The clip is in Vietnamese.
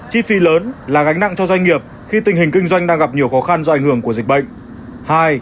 chi phí lớn là gánh nặng cho doanh nghiệp khi tình hình kinh doanh đang gặp nhiều khó khăn do ảnh hưởng của dịch bệnh